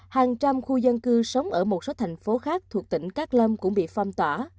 hàng trăm khu dân cư sống ở một số thành phố khác thuộc tỉnh cát lâm cũng bị phong tỏa